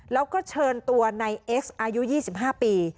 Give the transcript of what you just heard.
แล้วก็เชิญตัวในเอ็กซ์อายุ๒๕ปี